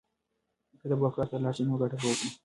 که ته په وخت کار ته لاړ شې نو ګټه به وکړې.